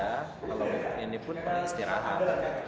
kalau ini pun pasti istirahat